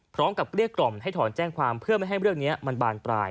เกลี้ยกล่อมให้ถอนแจ้งความเพื่อไม่ให้เรื่องนี้มันบานปลาย